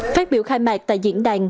phát biểu khai mạc tại diễn đàn